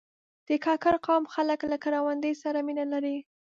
د کاکړ قوم خلک له کروندې سره مینه لري.